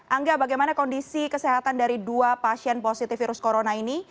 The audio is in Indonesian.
angga bagaimana kondisi kesehatan dari dua pasien positif virus corona ini